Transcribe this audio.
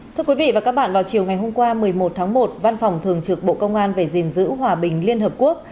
thưa quý vị và các bạn vào chiều ngày hôm qua một mươi một tháng một văn phòng thường trực bộ công an về gìn giữ hòa bình liên hợp quốc